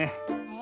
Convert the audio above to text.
え